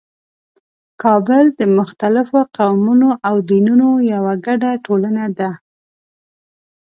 کابل د مختلفو قومونو او دینونو یوه ګډه ټولنه ده.